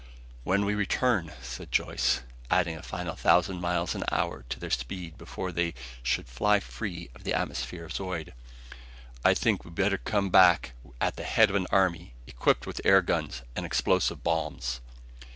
"When we return," said Joyce, adding a final thousand miles an hour to their speed before they should fly free of the atmosphere of Zeud, "I think we'd better come at the head of an army, equipped with air guns and explosive bombs."